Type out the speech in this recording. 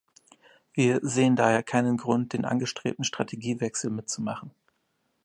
Wir sehen daher keinen Grund, den angestrebten Strategiewechsel mitzumachen.